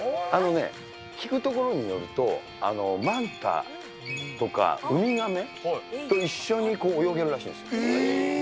聞くところによると、マンタとかウミガメと一緒に泳げるらしいんですよ。